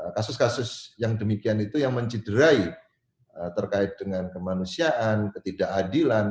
kasus kasus yang demikian itu yang mencederai terkait dengan kemanusiaan ketidakadilan